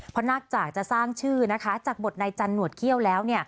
เพราะนอกจากจะสร้างชื่อนะคะจากบทนายจันหนวดเขี้ยวแล้ว